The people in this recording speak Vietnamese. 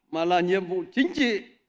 mà là nhiệm vụ chính trị